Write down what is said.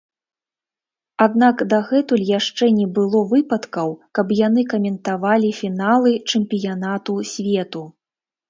Аднак дагэтуль яшчэ не было выпадкаў, каб яны каментавалі фіналы чэмпіянату свету.